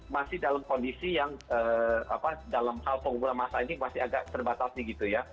masih dalam kondisi yang apa dalam hal pengumpulan masa ini masih agak terbatas ya